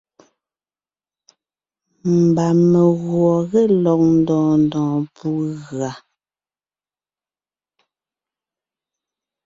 Mba meguɔ ge lɔg ndɔɔn ndɔɔn pú gʉa.